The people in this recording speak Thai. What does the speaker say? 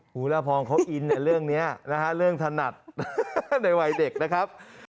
เวลาพรเขาอินในเรื่องนี้นะฮะเรื่องถนัดในวัยเด็กนะครับ